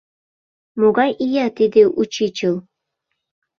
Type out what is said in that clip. Могай ия тиде учичыл.